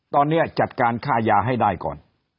ตอนนี้จัดการค่ายาให้ได้ก่อน